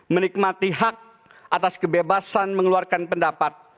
menikmati hak atas kebebasan mengeluarkan pendapat